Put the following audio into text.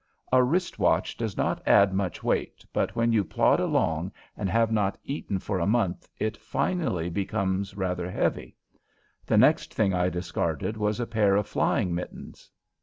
A wrist watch does not add much weight, but when you plod along and have not eaten for a month it finally becomes rather heavy. The next thing I discarded was a pair of flying mittens.